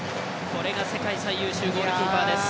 これが世界最優秀ゴールキーパーです。